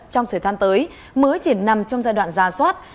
trong thời gian tới mới chỉ nằm trong giai đoạn ra soát